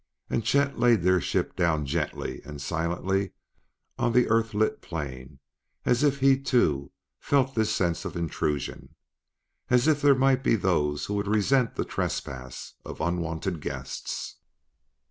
And Chet laid their ship down gently and silently on the earthlit plain as if he, too, felt this sense of intrusion as if there might be those who would resent the trespass of unwanted guests.